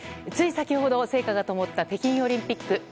つい先ほど聖火が灯った北京オリンピック。